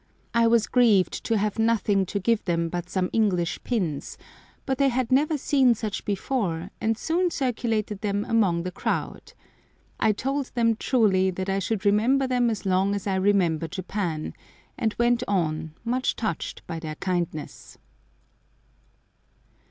I was grieved to have nothing to give them but some English pins, but they had never seen such before, and soon circulated them among the crowd. I told them truly that I should remember them as long as I remember Japan, and went on, much touched by their kindness.